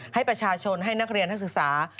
ให้ประชาชนให้นักเรียนนักศึกษา